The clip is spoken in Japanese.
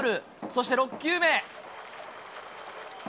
そして６球目。